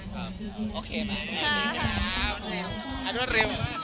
ครับโอเคมากครับอันนั้นเร็วอันนั้นเร็ว